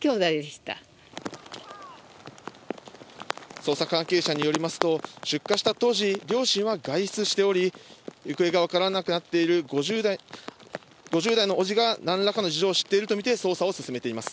捜査関係者によりますと、出火した当時、両親は外出しており、行方がわからなくなっている５０代の伯父が何らかの事情を知っているとみて捜査を進めています。